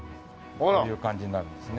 こういう感じになるんですね。